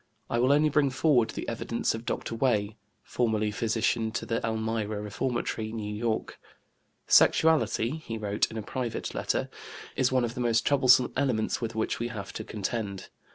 I will only bring forward the evidence of Dr. Wey, formerly physician to the Elmira Reformatory, New York. "Sexuality" (he wrote in a private letter) "is one of the most troublesome elements with which we have to contend.